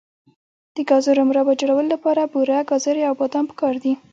د ګازرو مربا جوړولو لپاره بوره، ګازرې او بادام پکار دي.